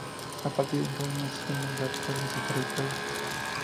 A partir de entonces no existen más datos sobre su trayectoria.